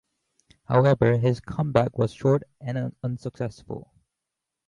However, his comeback was short and unsuccessful.